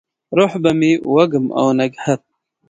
روح به مې وږم او نګهت،